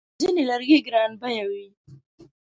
ځینې لرګي ګرانبیه وي.